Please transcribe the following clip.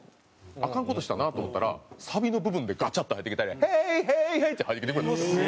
アカン事したなと思ったらサビの部分でガチャッと入ってきて「ＨｅｙＨｅｙＨｅｙ」って入ってきてくれたんですよ。